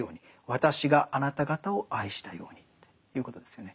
私があなた方を愛したようにということですよね。